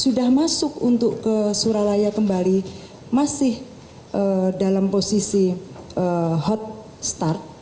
sudah masuk untuk ke suralaya kembali masih dalam posisi hot start